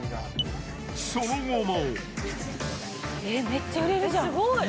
その後も。